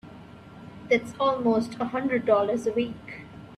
That's almost a hundred dollars a week!